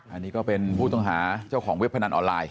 อันนี้ก็เป็นผู้ต้องหาเจ้าของเว็บพนันออนไลน